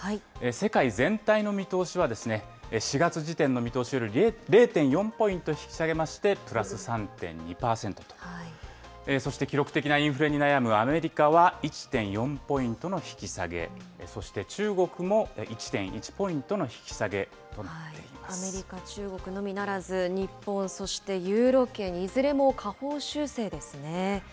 世界全体の見通しは、４月時点の見通しより０．４ポイント引き下げまして、プラス３．２％と、そして記録的なインフレに悩むアメリカは１．４ポイントの引き下げ、そして中国も１．１ポイントの引き下げとなっていまアメリカ、中国のみならず、日本、そしてユーロ圏、いずれも下方修正ですね。